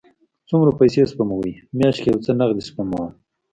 څومره پیسی سپموئ؟ میاشت کې یو څه نغدي سپموم